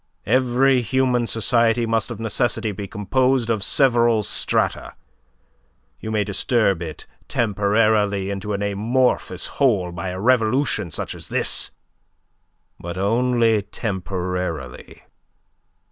Every human society must of necessity be composed of several strata. You may disturb it temporarily into an amorphous whole by a revolution such as this; but only temporarily.